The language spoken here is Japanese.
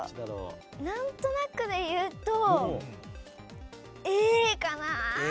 何となくで言うとＡかな？